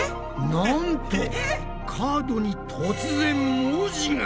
なんとカードに突然文字が！